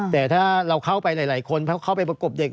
แต่ถ้าเราเข้าไปหลายคนเข้าไปประกบเด็ก